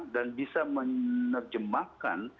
dan bisa menerjemahkan